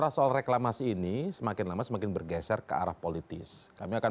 selamat malam pak osumis kuhn